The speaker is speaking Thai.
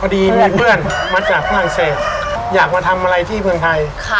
ดีมีเพื่อนมาจากฝรั่งเศสอยากมาทำอะไรที่เมืองไทย